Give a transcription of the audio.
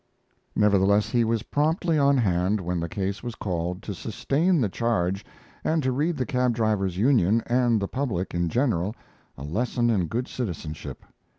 Nevertheless, he was promptly on hand when the case was called to sustain the charge and to read the cabdrivers' union and the public in general a lesson in good citizenship.